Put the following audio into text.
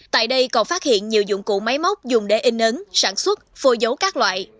tại đây còn phát hiện nhiều dụng cụ máy móc dùng để in ấn sản xuất phôi dấu các loại